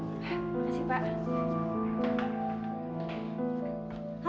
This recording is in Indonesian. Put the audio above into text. terima kasih pak